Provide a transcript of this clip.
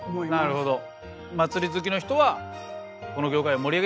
なるほど。